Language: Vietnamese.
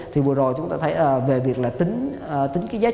thì vừa rồi chúng ta thấy về việc tính giá trị